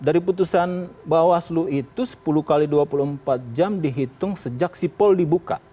dari putusan bawaslu itu sepuluh x dua puluh empat jam dihitung sejak sipol dibuka